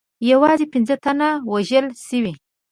یوازې پنځه تنه وژل سوي.